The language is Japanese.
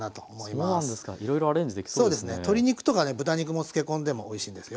鶏肉とかね豚肉も漬け込んでもおいしいんですよ。